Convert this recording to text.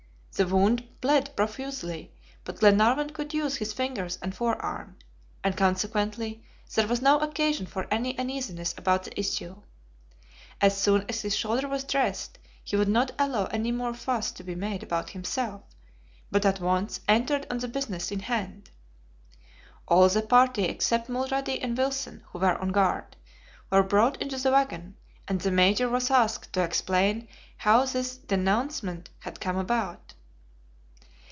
The wound bled profusely, but Glenarvan could use his fingers and forearm; and consequently there was no occasion for any uneasiness about the issue. As soon as his shoulder was dressed, he would not allow any more fuss to be made about himself, but at once entered on the business in hand. All the party, except Mulrady and Wilson, who were on guard, were brought into the wagon, and the Major was asked to explain how this DENOUEMENT had come about.